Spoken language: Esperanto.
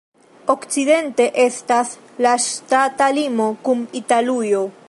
Okcidente estas la ŝtata limo kun Italujo.